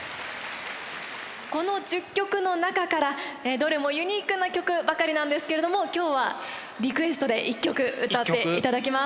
この１０曲の中からどれもユニークな曲ばかりなんですけれども今日はリクエストで１曲歌っていただきます。